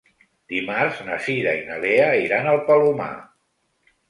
Dimarts na Cira i na Lea iran al Palomar.